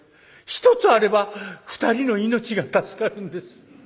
一つあれば２人の命が助かるんです。